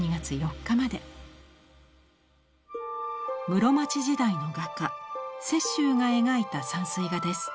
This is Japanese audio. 室町時代の画家雪舟が描いた山水画です。